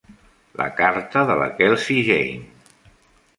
La carta de la Kelsey Jane.